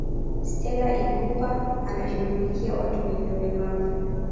stela ikupa anashughulikia watu wenye ulemavu